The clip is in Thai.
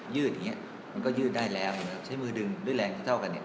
ืดอย่างนี้มันก็ยืดได้แล้วใช้มือดึงด้วยแรงเท่ากันเนี่ย